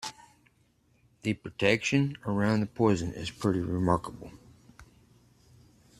The protection around the prison is pretty remarkable.